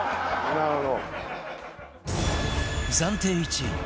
なるほど。